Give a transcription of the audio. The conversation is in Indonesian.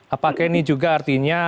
apakah ini juga artinya